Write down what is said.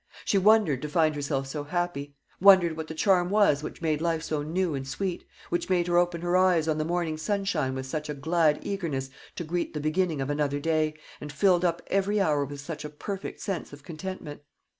She wondered to find herself so happy; wondered what the charm was which made life so new and sweet, which made her open her eyes on the morning sunshine with such a glad eagerness to greet the beginning of another day, and filled up every hour with such a perfect sense of contentment.